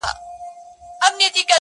هغې په نيمه شپه ډېـــــوې بلــــي كړې~